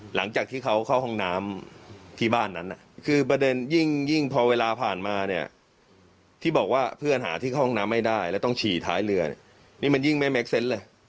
หลังจากที่เขาเข้าห้องน้ำที่บ้านนั้นคือประเด็นยิ่งพอเวลาผ่านมาเนี่ยที่บอกว่าเพื่อนหาที่เข้าห้องน้ำไม่ได้แล้วต้องฉี่ท้ายเรือเนี่ยนี่มันยิ่งไม่เค็กเซนต์เลย